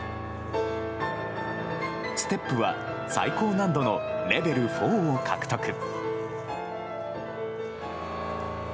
ステップは最高難度のレベル４を獲得。